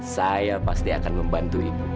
saya pasti akan membantu ibu